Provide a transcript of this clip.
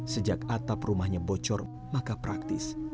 sejak atap rumahnya bocor maka praktis